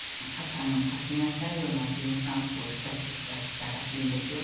「書きなさいよ夏目さん」っておっしゃってくだすったらしいんですよ。